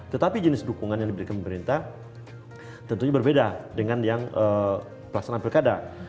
tetapi jenis dukungan yang diberikan pemerintah tentunya berbeda dengan yang pelaksanaan pilkada